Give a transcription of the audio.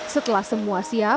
setelah semua siang